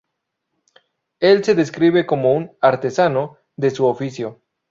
Él se describe como un "artesano" de su oficio.